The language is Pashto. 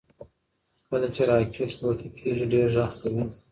کله چې راکټ پورته کیږي ډېر غږ کوي.